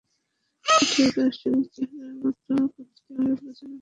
এগুলো ঠিক দার্শনিক রচনার মতো পদ্ধতিমাফিক রচনা নয়, গবেষণামূলক প্রকল্পধর্মী রচনাও নয়।